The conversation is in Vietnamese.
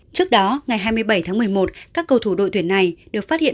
trước đó ngày hai mươi bảy tháng một mươi một các cầu thủ đội tuyển này được phát hiện